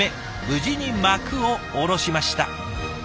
無事に幕を下ろしました。